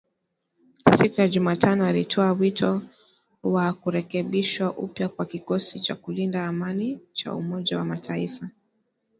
Siku ya Jumatano ,alitoa wito wa kurekebishwa upya kwa kikosi cha kulinda amani cha Umoja wa Mataifa